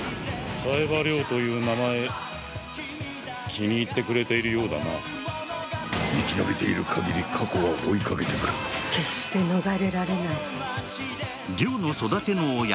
・冴羽という名前気に入ってくれているようだな・生き延びている限り過去は追いかけてくる・決して逃れられないの育ての親